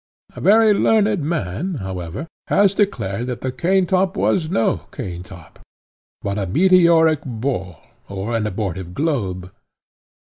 A very learned man, however, has declared that the cane top was no cane top, but a meteoric ball, or an abortive globe.